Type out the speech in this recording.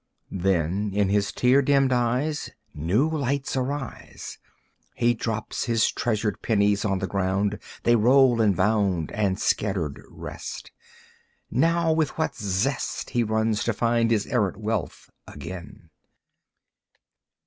Then in his tear dimmed eyes New lights arise. He drops his treasured pennies on the ground, They roll and bound And scattered, rest. Now with what zest He runs to find his errant wealth again!